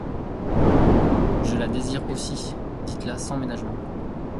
Je la désire aussi, dites-la sans ménagement.